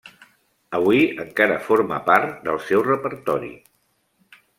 Avui encara forma part del seu repertori.